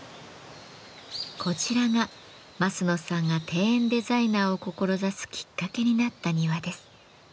こちらが枡野さんが庭園デザイナーを志すきっかけになった庭です。